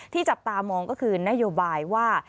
จับตามองก็คือนโยบายว่า